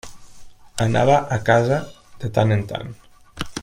Anava a casa, de tant en tant.